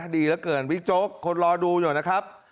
ดีเหลือเกินบิ๊กโจ๊กคนรอดูอยู่นะครับ